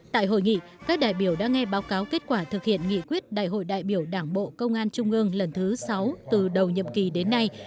tại hội nghị các đại biểu đã nghe báo cáo kết quả thực hiện nghị quyết đại hội đại biểu đảng bộ công an trung ương lần thứ sáu từ đầu nhiệm kỳ đến nay